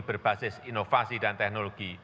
berbasis inovasi dan teknologi